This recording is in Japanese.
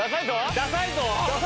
・・ダサいぞ！